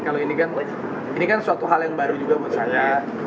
kalau ini kan ini kan suatu hal yang baru juga menurut saya